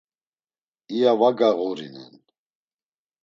İya va gağurinen.